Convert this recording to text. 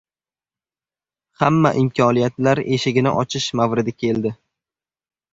Hamma imkoniyatlar eshigini ochish mavridi keldi.